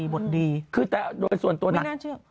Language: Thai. บทดีคือแต่เป็นส่วนตัวหนักไม่น่าเชื่อ